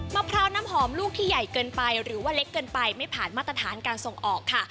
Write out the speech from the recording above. มะพร้าวน้ำหอมลูกที่ใหญ่เกินไปหรือว่าเล็กเกินไปไม่ผ่านมาตรฐานการส่งออกค่ะ